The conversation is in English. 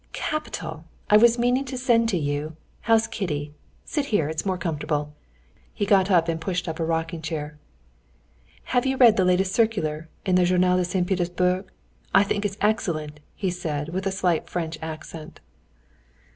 "Capital! I was meaning to send to you. How's Kitty? Sit here, it's more comfortable." He got up and pushed up a rocking chair. "Have you read the last circular in the Journal de St. Pétersbourg? I think it's excellent," he said, with a slight French accent.